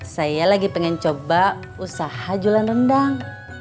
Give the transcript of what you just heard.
saya lagi pengen coba usaha jualan rendang